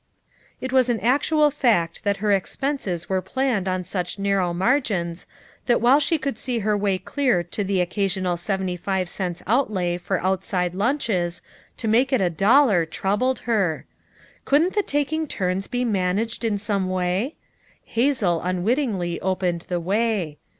It was an actual fact that her expenses were planned on such narrow margins that while she could see her way clear to the occasional seventy five cents' outlay for outside lunches, to make it a dollar troubled her. Couldn't the tak ing turns be managed in some way ? Hazel un wittingly opened the way.